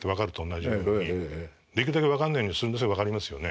できるだけ分かんないようにするんですけど分かりますよね？